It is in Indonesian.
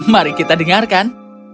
mari kita dengarkan